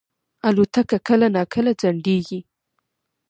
الوتکه کله ناکله ځنډېږي.